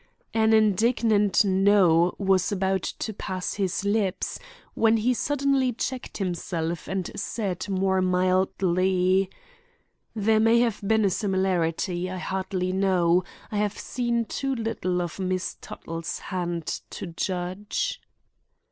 An indignant "No!" was about to pass his lips, when he suddenly checked himself and said more mildly: "There may have been a similarity; I hardly know, I have seen too little of Miss Tuttle's hand to judge."